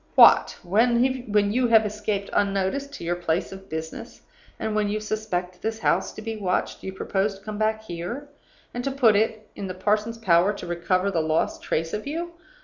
What! when you have escaped unnoticed to your place of business, and when you suspect this house to be watched, you propose to come back here, and to put it in the parson's power to recover the lost trace of you!